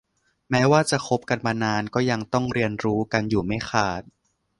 แม้ว่าจะคบกันมานานก็ยังต้องเรียนรู้กันอยู่ไม่ขาด